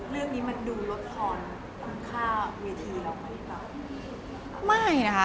เรื่องนี้มันดูลดท้อนต่ำค่าเวียทีเราไหมล่ะ